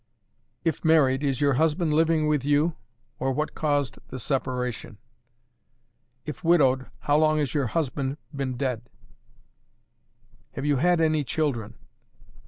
"If married, is your husband living with you, or what caused the separation? "If widowed, how long has your husband been dead? "Have you had any children?